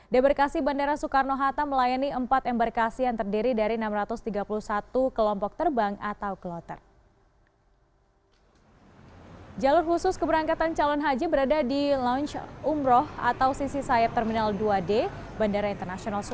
debarkasi bandara soekarno hatta melayani empat embarkasi yang terdiri dari enam ratus tiga puluh satu kelompok terbang atau kloter